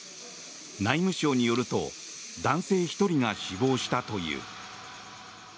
内務省によると男性１人が死亡したという。